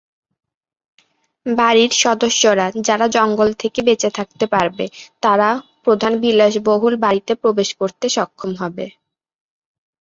বাড়ির সদস্যরা, যারা জঙ্গল থেকে বেঁচে থাকতে পারবে, তারা প্রধান বিলাসবহুল বাড়িতে প্রবেশ করতে সক্ষম হবে।